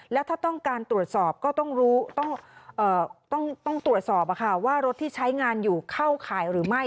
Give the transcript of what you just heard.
แล้วถ้าต้องการตรวจสอบก็ต้องรู้ต้องตรวจสอบว่ารถที่ใช้งานอยู่เข้าข่ายหรือไม่